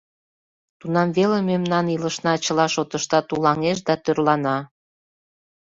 Тунам веле мемнан илышна чыла шотыштат улаҥеш да тӧрлана.